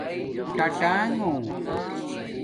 ٹآٹآنݣوں